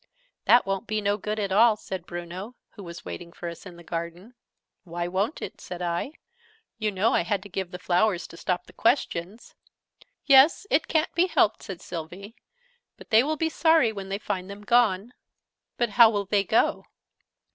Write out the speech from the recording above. "That won't be no good at all!" said Bruno, who was waiting for us in the garden. "Why won't it?" said I. "You know I had to give the flowers, to stop questions?" "Yes, it ca'n't be helped," said Sylvie: "but they will be sorry when they find them gone!" "But how will they go?"